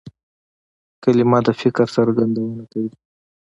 کلیمه د فکر څرګندونه کوي.